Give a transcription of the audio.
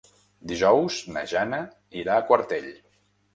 Dijous na Jana irà a Quartell.